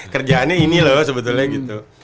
kerjaannya ini loh sebetulnya gitu